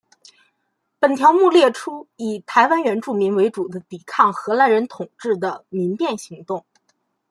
本条目列出以台湾原住民为主的抵抗荷兰人统治的民变行动。